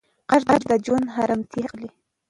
قرض د ژوند ارامتیا اخلي.